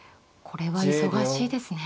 これは忙しいですね。